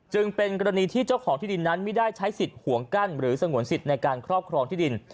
จึงเป็นกรณีที่เจ้าของที่ดินนั้นไม่ได้ใช้สิทธิ์ห่วงกั้นหรือสงวนสิทธิ์ในการครอบครองที่ดิน